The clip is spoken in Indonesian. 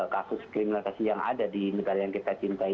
kasus kriminalisasi yang ada di negara yang kita cintai